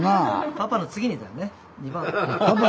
パパの次にだよね。